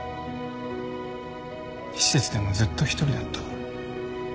施設でもずっと独りだった。